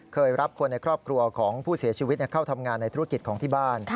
รับคนในครอบครัวของผู้เสียชีวิตเข้าทำงานในธุรกิจของที่บ้าน